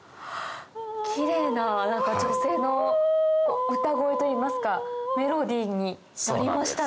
キレイな女性の歌声といいますかメロディーになりましたね。